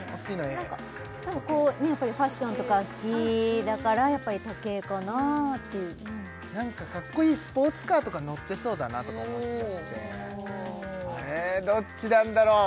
やっぱりファッションとか好きだからやっぱり時計かなっていう何かかっこいいスポーツカーとか乗ってそうだなとか思ってあれどっちなんだろう？